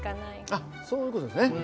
あっそういう事ですね。